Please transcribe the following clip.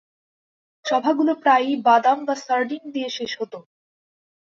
সভাগুলো প্রায়ই বাদাম বা সার্ডিন দিয়ে শেষ হতো।